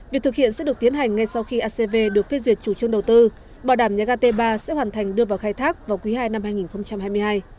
việc thực hiện sẽ được tiến hành ngay sau khi acv được phê duyệt chủ trương đầu tư bảo đảm nhà ga t ba sẽ hoàn thành đưa vào khai thác vào quý ii năm hai nghìn hai mươi hai